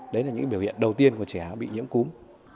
đấy là những biểu hiện đầu tiên của trẻ bị nhiễm cúm